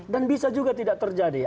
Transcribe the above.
dan bisa juga tidak terjadi